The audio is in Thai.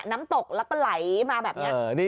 น้ำตกแล้วก็ไหลมาแบบนี้